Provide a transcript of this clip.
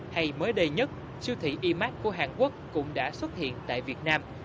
hay mới đây nhất siêu thị e mart của hàn quốc cũng đã xuất hiện tại việt nam